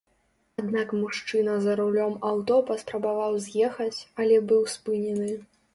Аднак мужчына за рулём аўто паспрабаваў з'ехаць, але быў спынены.